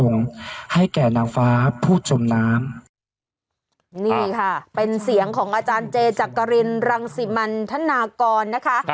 นี่ค่ะเป็นเสียงของอาจารย์เจจักรินรังสิมันธนากรนะคะ